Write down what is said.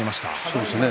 そうですね。